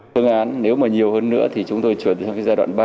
tương án nếu mà nhiều hơn nữa thì chúng tôi chuyển sang giai đoạn ba